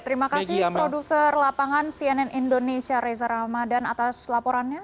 terima kasih produser lapangan cnn indonesia reza ramadan atas laporannya